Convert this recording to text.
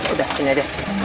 udah sini aja